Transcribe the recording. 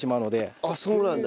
あっそうなんだ。